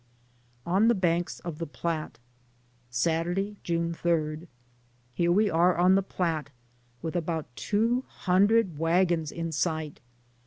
ON THE BANKS OF THE PLATTE. Saturday, June 3. Here we are on the Platte with about two hundred wagons in sight.